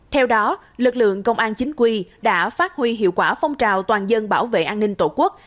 theo đó lực lượng công an chính quy đã phát huy hiệu quả phong trào toàn dân bảo vệ an ninh tổ quốc